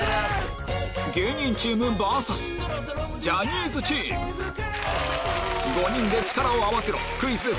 芸人チームｖｓジャニーズチーム５人で力を合わせろクイズ！